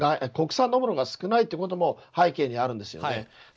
国産のものが少ないということも背景にあるんですよね。